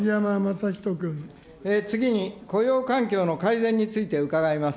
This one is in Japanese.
次に、雇用環境の改善について伺います。